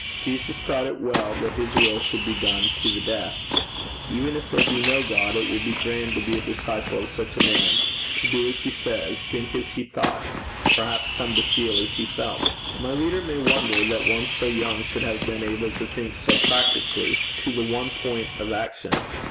Jesus thought it well that his will should be done to the death. Even if there be no God, it will be grand to be a disciple of such a man, to do as he says, think as he thought perhaps come to feel as he felt.' My reader may wonder that one so young should have been able to think so practically to the one point of action.